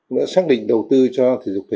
nó xác định đầu tư cho thể dục thể